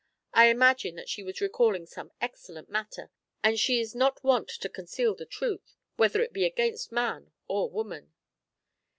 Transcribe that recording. I imagine that she was recalling some excellent matter, and she is not wont to conceal the truth, whether it be against man or woman."